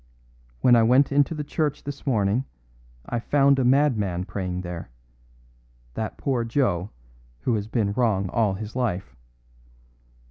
"When I went into the church this morning I found a madman praying there that poor Joe, who has been wrong all his life.